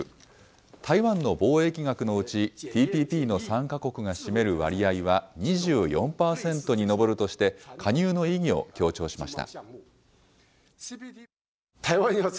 台湾の貿易額のうち、ＴＰＰの参加国が占める割合は、２４％に上るとして、加入の意義を強調しました。